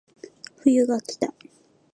冬がきた